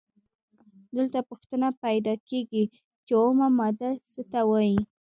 دلته پوښتنه پیدا کیږي چې اومه ماده څه ته وايي؟